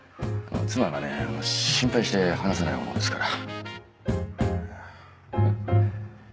妻がね心配して離さないものですから。